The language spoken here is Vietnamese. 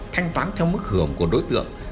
thanh toán theo mức hưởng của đối tượng